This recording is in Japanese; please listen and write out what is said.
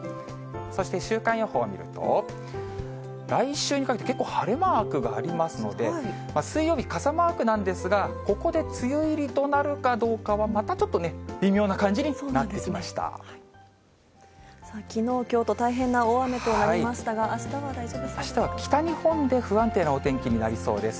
そして週間予報を見ると、来週にかけて、結構晴れマークがありますので、水曜日、傘マークなんですが、ここで梅雨入りとなるかどうかは、またちょっとね、さあ、きのう、きょうと、大変な大雨となりましたが、あしたは北日本で不安定なお天気になりそうです。